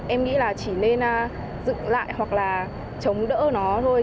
em nghĩ là chỉ nên dựng lại hoặc là chống đỡ nó thôi